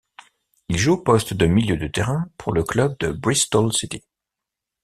Il joue au poste de milieu de terrain pour le club de Bristol City.